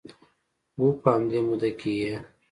و په همدې موده کې یې